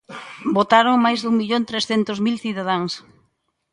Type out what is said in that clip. Votaron máis dun millón trescentos mil cidadáns.